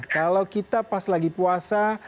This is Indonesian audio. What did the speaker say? kalau kita pas lagi puasa